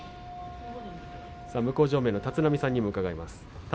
向正面の立浪さんにも伺います。